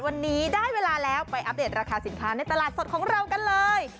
วันนี้ได้เวลาแล้วไปอัปเดตราคาสินค้าในตลาดสดของเรากันเลย